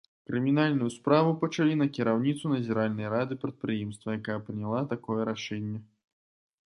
Крымінальную справу пачалі на кіраўніцу назіральнай рады прадпрыемства, якая прыняла такое рашэнне.